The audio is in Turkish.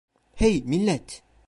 Hey, millet.